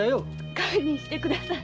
堪忍してください。